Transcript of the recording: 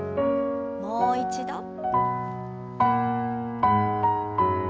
もう一度。